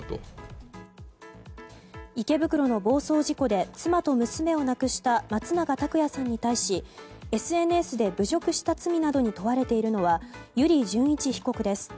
池袋の暴走事故で妻と娘を亡くした松永拓也さんに対しＳＮＳで侮辱した罪などに問われているのは油利潤一被告です。